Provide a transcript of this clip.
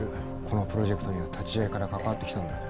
このプロジェクトには立ち上げから関わってきたんだ。